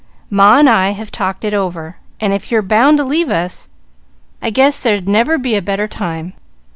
Ma and I have talked it over, and if you're bound to leave us, I guess there'd never be a better time.